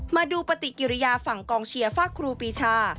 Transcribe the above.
มาดูปฏิกิริยาฝั่งกองเชียร์ฝากครูปีชา